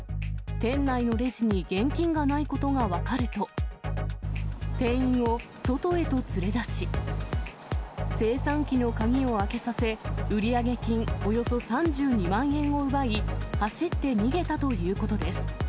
店内のレジに現金がないことが分かると、店員を外へと連れ出し、精算機の鍵を開けさせ、売上金およそ３２万円を奪い、走って逃げたということです。